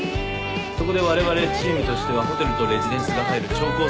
そこでわれわれチームとしてはホテルとレジデンスが入る超高層のツインタワー